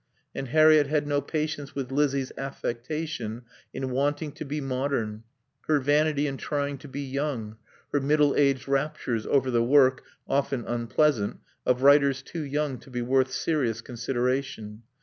And Harriett had no patience with Lizzie's affectation in wanting to be modern, her vanity in trying to be young, her middle aged raptures over the work often unpleasant of writers too young to be worth serious consideration.